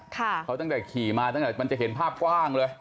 เขาตั้งแต่ขี่มาตั้งแต่มันจะเห็นภาพกว้างเลย